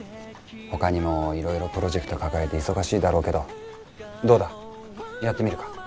他にも色々プロジェクトを抱えて忙しいだろうけどどうだやってみるか？